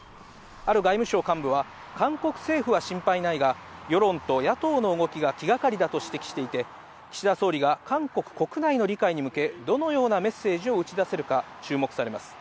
ある外務省幹部は、韓国政府は心配ないが、世論と野党の動きが気がかりだと指摘していて、岸田総理が韓国国内の理解に向け、どのようなメッセージを打ち出せるか、注目されます。